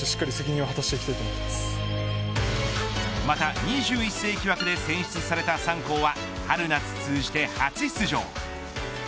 また２１世紀枠で選出された３校は春夏通じて初出場。